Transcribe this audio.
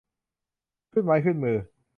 ขึ้นไม้ขึ้นมือ